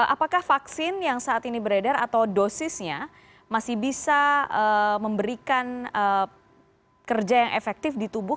apakah vaksin yang saat ini beredar atau dosisnya masih bisa memberikan kerja yang efektif di tubuh